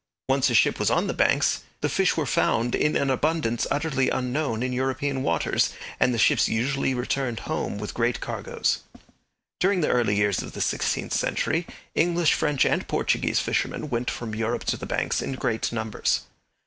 Once a ship was on the Banks, the fish were found in an abundance utterly unknown in European waters, and the ships usually returned home with great cargoes. During the early years of the sixteenth century English, French, and Portuguese fishermen went from Europe to the Banks in great numbers.